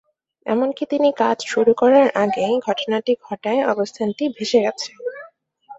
এমনকি তিনি কাজ শুরু করার আগেই, ঘটনাটি ঘটায় অবস্থানটি ভেসে গেছে।